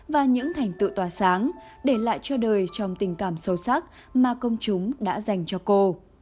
và những thành tựu tỏa sáng để lại cho đời trong tình cảm sâu sắc mà công chúng đã dành cho cô